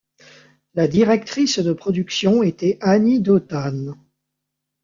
La directrice de production était Annie Dautane.